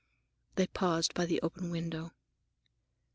They paused by the open window.